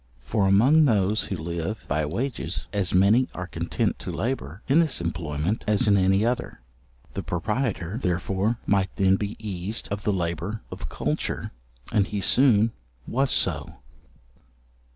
For among those who live by wages, as many are content to labour in this employment as in any other. The proprietor, therefore, might then be eased of the labour of culture, and he soon was so.